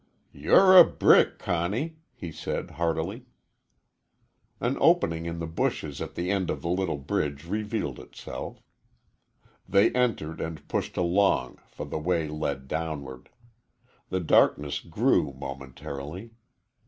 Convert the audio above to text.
"You're a brick, Conny," he said heartily. An opening in the bushes at the end of the little bridge revealed itself. They entered and pushed along, for the way led downward. The darkness grew momentarily.